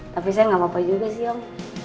tapi saya gak apa apa juga sih om